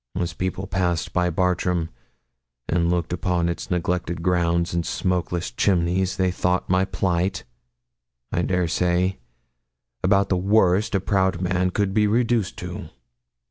As people passed by Bartram, and looked upon its neglected grounds and smokeless chimneys, they thought my plight, I dare say, about the worst a proud man could be reduced to.